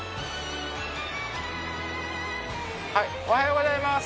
おはようございます。